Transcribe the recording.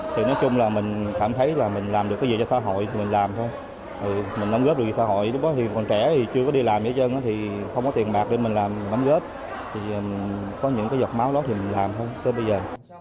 thì nói chung là mình cảm thấy là mình làm được cái gì cho xã hội thì mình làm thôi mình nắm gớp được cái xã hội lúc đó thì còn trẻ thì chưa có đi làm gì hết trơn thì không có tiền bạc để mình làm nắm gớp thì có những cái giọt máu đó thì mình làm thôi tới bây giờ